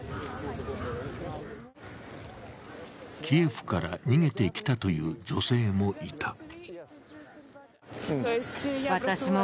キエフから逃げてきたという女性もいた。